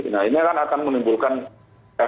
nah ini akan menimbulkan efek efek yang